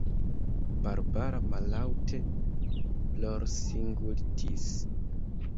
Barbara mallaŭte plorsingultis.